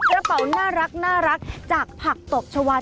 กระเป๋าน่ารักจากผักตบชาวา